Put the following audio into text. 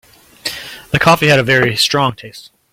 The coffee had a very strong taste.